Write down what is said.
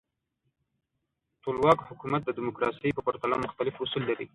ټولواک حکومت د دموکراسۍ په پرتله مختلف اصول لري.